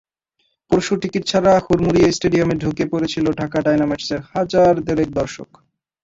পরশু টিকিট ছাড়াই হুড়মুড়িয়ে স্টেডিয়ামে ঢুকে পড়েছিল ঢাকা ডায়নামাইটসের হাজার দেড়েক দর্শক।